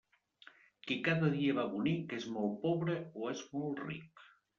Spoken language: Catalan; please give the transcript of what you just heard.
Qui cada dia va bonic és molt pobre o és molt ric.